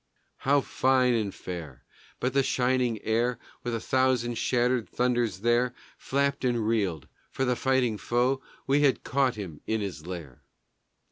How fine and fair! But the shining air With a thousand shattered thunders there Flapped and reeled. For the fighting foe We had caught him in his lair.